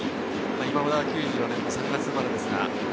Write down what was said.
今村は９４年の３月生まれです。